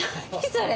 それ！